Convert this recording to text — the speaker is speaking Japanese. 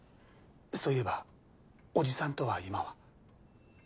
そういえば叔父さんとは今は？